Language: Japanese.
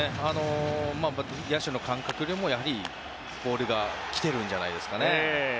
野手の感覚でもやはりボールが来ているんじゃないんですかね。